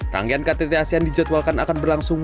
rangkaian ktt asean dijadwalkan akan berlangsung